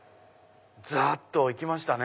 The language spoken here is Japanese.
ざっと行きましたね。